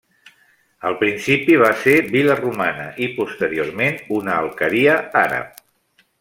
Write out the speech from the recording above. Al principi va ser vila romana i posteriorment una alqueria àrab.